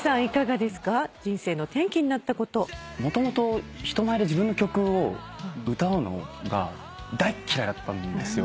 もともと人前で自分の曲を歌うのが大っ嫌いだったんですよ。